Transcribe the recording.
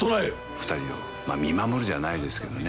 二人を見守るじゃないですけどね